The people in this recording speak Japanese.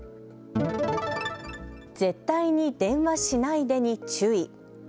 絶対に電話しないでに注意。